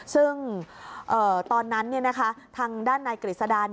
ซึ่งตอนนั้นทางด้านนายกฤษดา